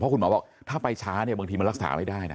คุณหมอบอกถ้าไปช้าเนี่ยบางทีมันรักษาไม่ได้นะ